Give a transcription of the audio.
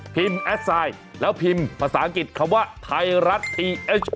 แอดไซด์แล้วพิมพ์ภาษาอังกฤษคำว่าไทยรัฐทีวีเอช